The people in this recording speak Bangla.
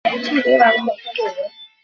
কোনো জবাব লেখা হইল না।